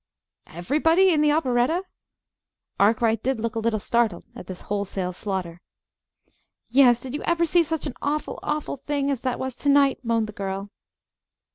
"Everybody in the operetta!" Arkwright did look a little startled, at this wholesale slaughter. "Yes. Did you ever see such an awful, awful thing as that was to night?" moaned the girl.